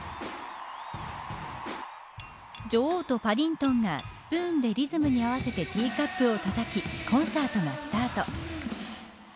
女王とパディントンがスプーンでリズムに合わせてティーカップをたたきコンサートがスタート。